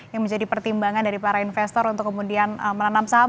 yang menjadi pertimbangan dari para investor untuk kemudian menanam saham